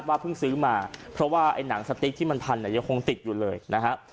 เพิ่งซื้อมาเพราะว่าไอ้หนังสติ๊กที่มันพันเนี่ยยังคงติดอยู่เลยนะฮะ